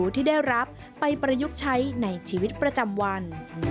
ที่ประยุกต์ใช้ในชีวิตประจำวัน